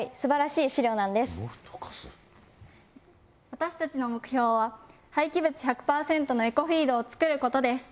私たちの目標は廃棄物１００％のエコフィードを作ることです。